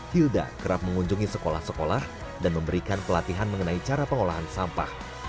hilda kerap mengunjungi sekolah sekolah dan memberikan pelatihan mengenai cara pengolahan sampah